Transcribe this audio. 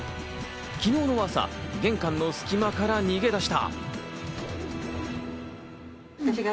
昨日の朝、玄関の隙間から逃げ出した。